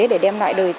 để đem lại bảo hiểm y tế